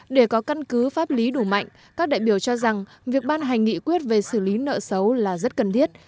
để có căn cứ pháp lý đủ mạnh các đại biểu cho rằng việc ban hành nghị quyết về xử lý nợ xấu là rất cần thiết